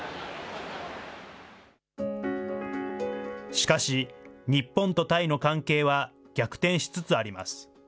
しかし、日本とタイの関係は、逆転しつつあります。